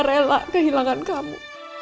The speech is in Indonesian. lelah kehilangan kamu